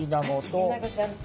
キビナゴちゃんと。